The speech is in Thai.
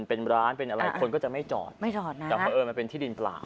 เป็นร้านเป็นอะไรคนก็จะไม่จอดไม่จอดนะแต่เพราะเอิญมันเป็นที่ดินเปล่า